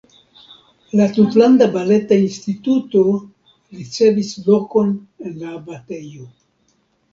La Tutlanda Baleta Instituto ricevis lokon en la abatejo.